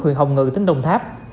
huyện hồng ngự tỉnh đồng tháp